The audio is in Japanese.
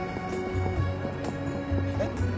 えっ？